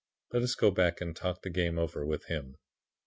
Let us go back and talk the game over with him.